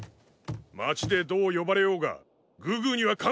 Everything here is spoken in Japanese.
街でどう呼ばれようがグーグーには関係ないだろ！